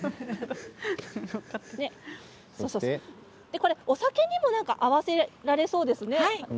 これはお酒にも合わせられそうですね。